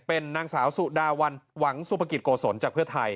เป็นนางสาวสุดาวันหวังสุภกิจโกศลจากเพื่อไทย